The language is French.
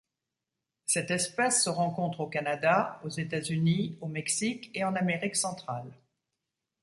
Cette espèce se rencontre au Canada, aux États-Unis, au Mexique et en Amérique centrale.